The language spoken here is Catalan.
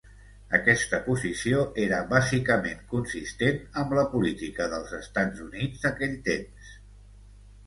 Aquesta posició era bàsicament consistent amb la política dels Estats Units d'aquell temps.